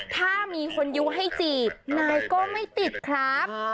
ถ้ามีคนยุให้จีบนายก็ไม่ติดครับ